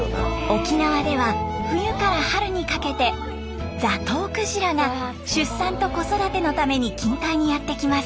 沖縄では冬から春にかけてザトウクジラが出産と子育てのために近海にやって来ます。